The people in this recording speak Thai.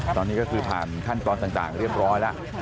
ตอนนี้ก็คือผ่านขั้นตอนต่างเรียบร้อยแล้ว